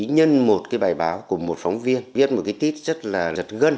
nhân một cái bài báo của một phóng viên viết một cái tít rất là giật gân